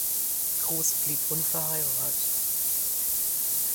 Gross blieb unverheiratet.